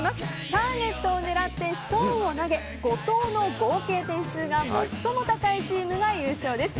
ターゲットを狙ってストーンを投げ５投の合計点数が最も高いチームが優勝です。